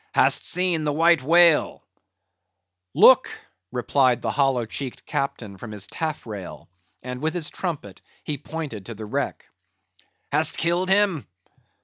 "Hast seen the White Whale?" "Look!" replied the hollow cheeked captain from his taffrail; and with his trumpet he pointed to the wreck. "Hast killed him?"